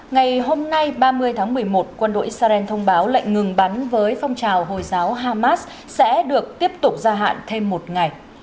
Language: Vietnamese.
ngày hôm nay ba mươi tháng một mươi một quân đội israel thông báo lệnh ngừng bắn với phong trào hồi giáo hamas sẽ được tiếp tục gia hạn thêm một ngày